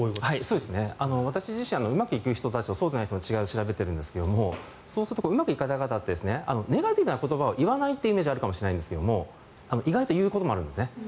私自身、うまくいく人とそうでない人の違いを調べているんですけどうまくいかない人ってネガティブな言葉を言わないイメージがあるかもしれないですが意外と言うこともあるんです。